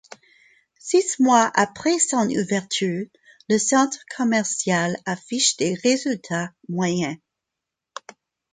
Six mois après son ouverture, le Centre commercial affiche des résultats moyens.